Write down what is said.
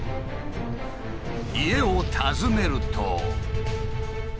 家を訪ねると。